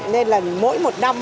nên là mỗi một năm